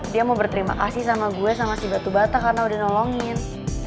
dia mau berterima kasih sama gue sama si batu bata karena udah nolongin